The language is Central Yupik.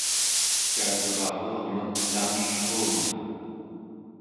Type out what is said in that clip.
casrarermek tangellruunga